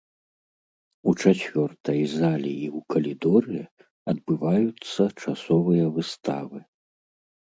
У чацвёртай залі і ў калідоры адбываюцца часовыя выставы.